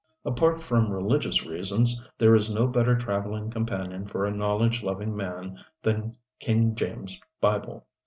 Apart from religious reasons, there is no better traveling companion for a knowledge loving man than King James' Bible.